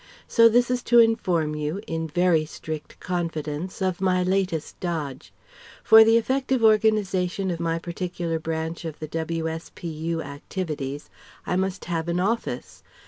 So this is to inform you, in very strict confidence, of my latest dodge. For the effective organization of my particular branch of the W.S.P.U. activities, I must have an office.